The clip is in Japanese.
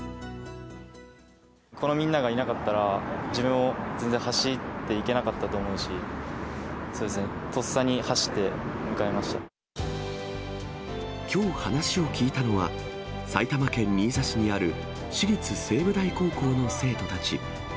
このみんながいなかったら、自分も全然走っていけなかったと思うし、そうですね、とっさに走きょう話を聞いたのは、埼玉県新座市にある私立西武台高校の生徒たち。